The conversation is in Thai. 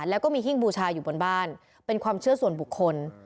แล้วก็มีหิ้งบูชาอยู่บนบ้านเป็นความเชื่อส่วนบุคคล